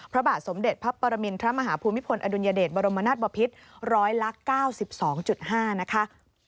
พระบาทสมเด็จพระปรมินทรมาหาภูมิพลอดุญเดตบรมนัฐบพิษ๑๙๒๕นะคะ